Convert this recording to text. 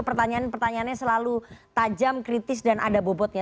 pertanyaan pertanyaannya selalu tajam kritis dan ada bobotnya